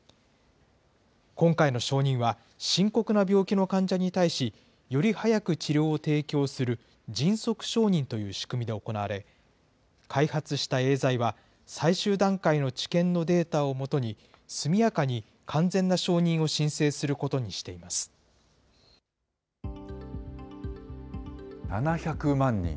今回の承認は、深刻な病気の患者に対し、より早く治療を提供する迅速承認という仕組みで行われ、開発したエーザイは、最終段階の治験のデータを基に速やかに完全な承認を申請すること７００万人。